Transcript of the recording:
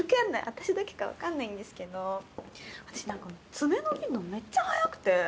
私だけか分かんないんですけど私何か爪伸びるのめっちゃ早くて。